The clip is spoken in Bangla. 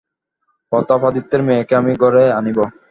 প্রতাপাদিত্যের মেয়েকে আমি ঘরে আনিব?